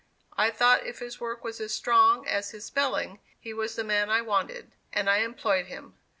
I thought if his work was as strong as his spelling, he was the man I wanted, and I employed him.